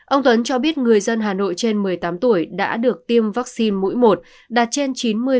ông tuấn cho biết người dân hà nội trên một mươi tám tuổi đã được tiêm vaccine mũi một đạt trên chín mươi